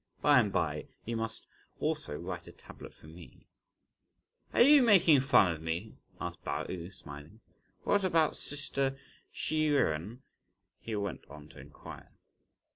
By and bye you must also write a tablet for me." "Are you again making fun of me?" asked Pao yü smiling; "what about sister Hsi Jen?" he went on to inquire.